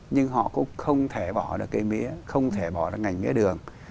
nhưng họ cũng không thể bỏ được cây mía không thể bỏ được ngành mía đường